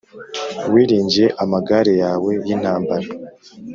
Wiringiye amagare yawe y’intambara,